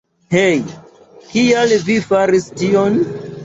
Hej, kial vi faris tion?